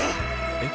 えっ？